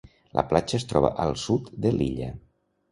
La platja es troba al sud de l'illa.